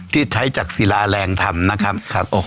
ที่ใช้จากศิลาแรงทำนะครับ